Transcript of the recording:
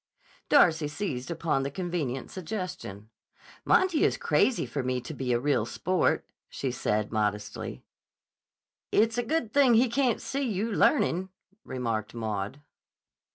Darcy seized upon the convenient suggestion. "Monty is crazy for me to be a real sport," she said modestly. "It's a good thing he can't see you learning," remarked Maud.